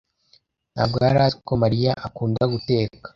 ntabwo yari azi ko Mariya akunda guteka.